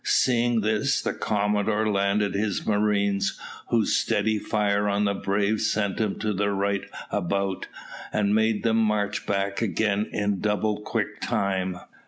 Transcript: Seeing this, the commodore landed his marines, whose steady fire on the braves sent them to the right about, and made them march back again in double quick time.